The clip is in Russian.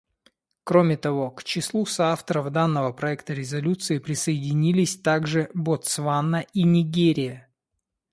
Кроме того, к числу соавторов данного проекта резолюции присоединились также Ботсвана и Нигерия.